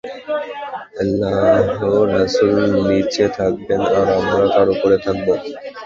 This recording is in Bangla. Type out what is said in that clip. আল্লাহর রাসূল নিচে থাকবেন আর আমরা তার উপরে থাকব?